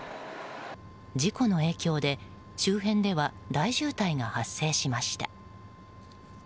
事故の影響で周辺では、大渋滞が発生しました。